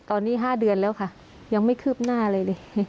ตอนนี้๕เดือนแล้วค่ะยังไม่คืบหน้าอะไรเลย